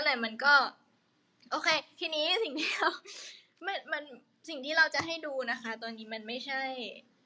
นั่นแหละมันก็โอเคทีนี้สิ่งที่เราจะให้ดูนะคะตอนนี้มันไม่ใช่